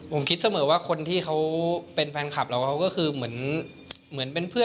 ผมคิดเสมอว่าคนที่เขาเป็นแฟนคลับเราเขาก็คือเหมือนเป็นเพื่อน